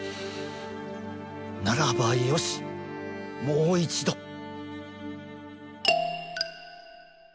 ならばよしもういちど！